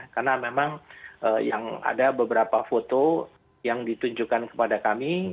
karena memang ada beberapa foto yang ditunjukkan kepada kami